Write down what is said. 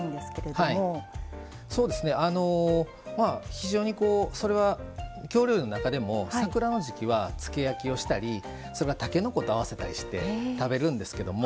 非常にそれは京料理の中でも桜の時季はつけ焼きをしたりたけのこと合わせたりして食べるんですけども。